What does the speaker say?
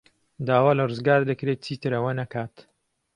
داوا لە ڕزگار دەکرێت چیتر ئەوە نەکات.